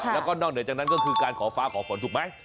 แล้วก็นอกเหนือจากนั้นก็คือการขอฟ้าขอฝนถูกไหม